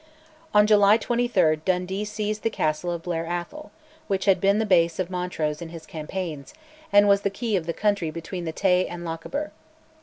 On July 23 Dundee seized the castle of Blair Atholl, which had been the base of Montrose in his campaigns, and was the key of the country between the Tay and Lochaber.